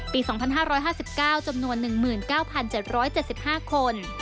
ปี๒๕๕๙จำนวน๑๙๗๗๕คน